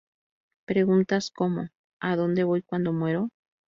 Preguntas como "¿A dónde voy cuando muero?